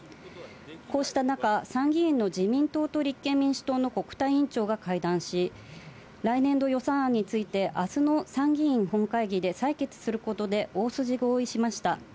こうした中、参議院の自民党と立憲民主党の国対委員長が会談し、来年度予算案について、あすの参議院本会議で採決することで大筋合意しました。